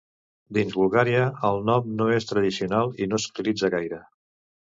Dins Bulgària, el nom no és tradicional i no s'utilitza gaire.